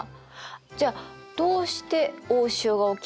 じゃあどうして大潮が起きるのか分かる？